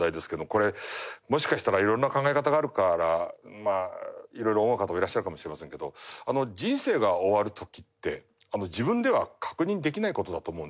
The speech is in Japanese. これもしかしたら色んな考え方があるから色々思う方もいらっしゃるかもしれませんけど人生が終わる時って自分では確認できない事だと思うんですよ。